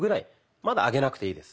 まだ上げなくていいです。